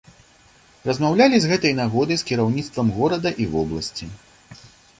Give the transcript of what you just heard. Размаўлялі з гэтай нагоды з кіраўніцтвам горада і вобласці.